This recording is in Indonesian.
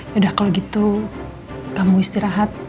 yaudah kalau gitu kamu istirahat